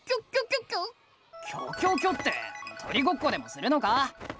キョキョキョって鳥ごっこでもするのか？